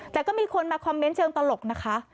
แต่ก็มีคนมาคอมเมนต์เชิงตลกนะคะ